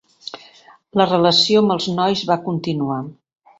La relació amb els nois va continuar.